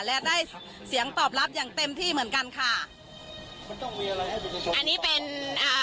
และได้เสียงตอบรับอย่างเต็มที่เหมือนกันค่ะอันนี้เป็นอ่า